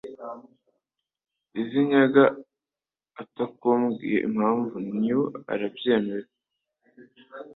Azinyaga atakubwiye Impamvu new urabyemera